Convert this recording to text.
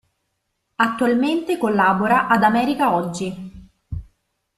Attualmente collabora ad “America Oggi”.